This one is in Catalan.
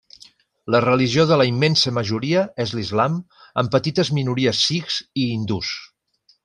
La religió de la immensa majoria és l'islam amb petites minories sikhs i hindús.